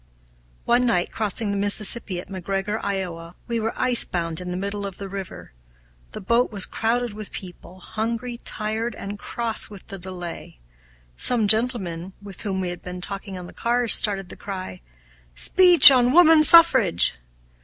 One night, crossing the Mississippi at McGregor, Iowa, we were icebound in the middle of the river. The boat was crowded with people, hungry, tired, and cross with the delay. Some gentlemen, with whom we had been talking on the cars, started the cry, "Speech on woman suffrage!"